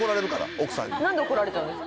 何で怒られちゃうんですか？